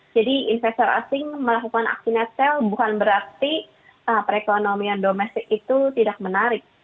jadi investor asing melakukan aksi net sale bukan berarti perekonomian domestik itu tidak menarik